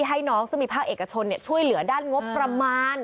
ให้น้องซึ่งมีภาคเอกชนช่วยเหลือด้านงบประมาณ